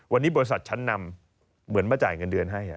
วันนี้บริษัทชั้นนำเหมือนมาจ่ายเงินเดือนให้